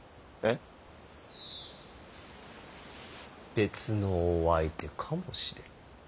別のお相手かもしれん。